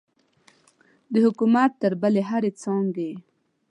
د حکومت تر بلې هرې څانګې.